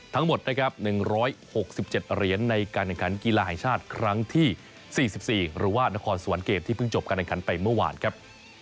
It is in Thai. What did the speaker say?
ทั้งหมดนะครับ๑๖๗เหรียญในการแข่งขันกีฬาแห่งชาติครั้งที่๔๔หรือว่านครสวรรค์เกมที่เพิ่งจบการแข่งขันไปเมื่อวานครับ